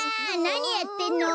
なにやってんの？